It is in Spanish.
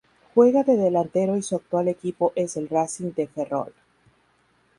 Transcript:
Juega de delantero y su actual equipo es el Racing de Ferrol.